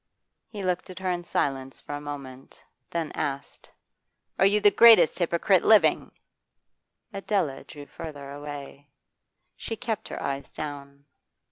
He looked at her in silence for a moment, then asked: 'Are you the greatest hypocrite living?' Adela drew farther away. She kept her eyes down.